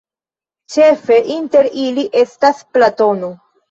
Ĉefe inter ili estas Platono.